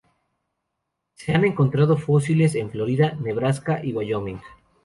Se han encontrado fósiles en Florida, Nebraska y Wyoming.